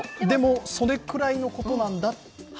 でも、それくらいのことなんだと。